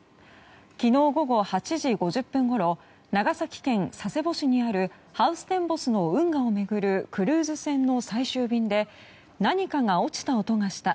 昨日午後８時５０分ごろ長崎県佐世保市にあるハウステンボスの運河を巡るクルーズ船の最終便で何かが落ちた音がした。